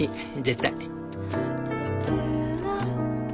絶対」。